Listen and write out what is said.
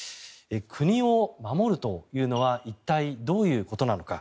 国を守るというのは一体、どういうことなのか。